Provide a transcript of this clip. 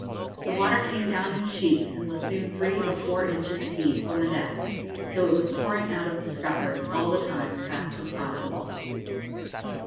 The water came down in sheets, and was soon three or four inches deep on the deck, though it was pouring out of the scuppers all the time as fast as possible.